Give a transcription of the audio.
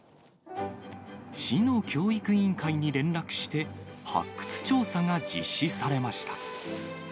市の教育委員会に連絡して、発掘調査が実施されました。